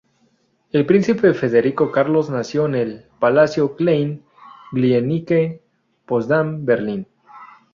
El Príncipe Federico Carlos nació en el Palacio Klein-Glienicke, Potsdam, Berlín.